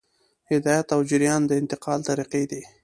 هدایت او جریان د انتقال طریقې دي.